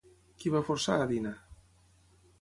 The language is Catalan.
Qui va forçar a Dina?